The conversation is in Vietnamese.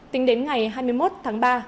tính đến ngày hai mươi một tháng ba